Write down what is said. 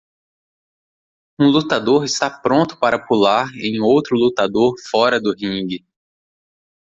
Um lutador está pronto para pular em outro lutador fora do ringue.